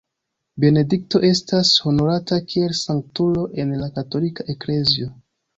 Benedikto estas honorata kiel sanktulo en la katolika eklezio.